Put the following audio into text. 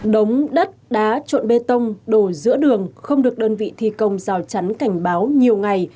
đống đất đá trộn bê tông đổ giữa đường không được đơn vị thi công rào chắn cảnh báo nhiều ngày